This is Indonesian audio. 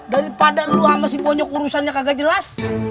daripada lu sama si bonyok urusannya kagak jelas